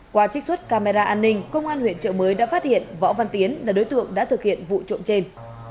qua trích xuất camera an ninh công an huyện trợ mới đã phát hiện võ văn tiến là đối tượng đã thực hiện vụ trộm trên